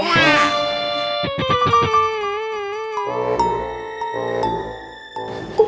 entah pelan pelan tembak zeitung